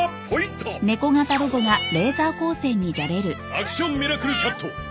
アクションミラクルキャット